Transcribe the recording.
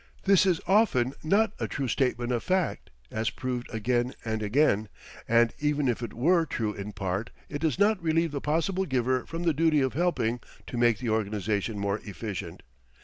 This is often not a true statement of fact, as proved again and again, and even if it were true in part it does not relieve the possible giver from the duty of helping to make the organization more efficient.